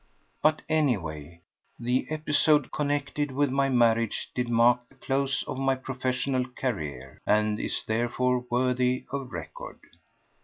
But, anyway, the episode connected with my marriage did mark the close of my professional career, and is therefore worthy of record.